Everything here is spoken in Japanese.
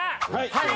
はい！